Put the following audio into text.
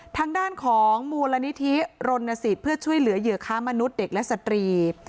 ทางด้านของมูลนิธิรณสิทธิ์เพื่อช่วยเหลือเหยื่อค้ามนุษย์เด็กและสตรี